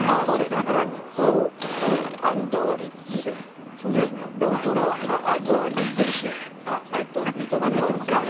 あんどう律ね、堂安律選手、三笘薫選手。